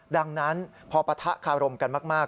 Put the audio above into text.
ดังนั้นพอปะทะคารมกันมาก